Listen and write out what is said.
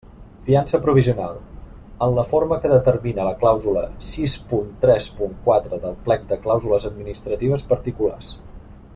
Fiança provisional: en la forma que determina la clàusula sis punt tres punt quatre del plec de clàusules administratives particulars.